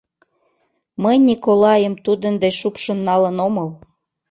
Мый Николайым тудын деч шупшын налын омыл.